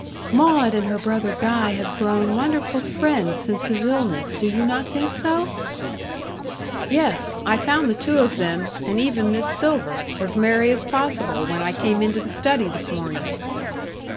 "Maud and her brother Guy have grown wonderful friends since his illness. Do you not think so?" "Yes, I found the two of them and even Miss Silver as merry as possible, when I came into the study this morning."